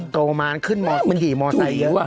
โตมาขึ้นมอเตียงมอเตียง